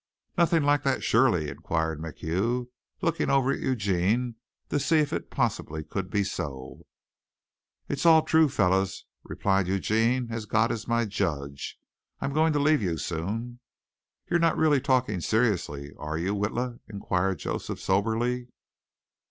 "Nothing like that, surely," inquired MacHugh, looking over at Eugene to see if it possibly could be so. "It's all true, fellers," replied Eugene, " as God is my judge. I'm going to leave you soon." "You're not really talking seriously, are you, Witla?" inquired Joseph soberly.